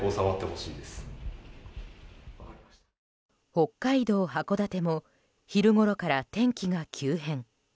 北海道函館も昼ごろから天気が急変。